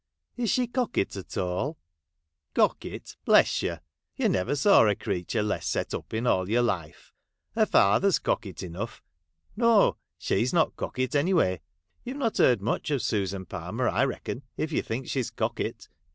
' Is she cocket at all ?'' Cocket, bless you ! you never saw a crea ture less set up in all your life. Her father 's cocket enough. No ! she's not cocket any way. You Ve not heard much of Susan Palmer, I reckon, if you think she 's cocket.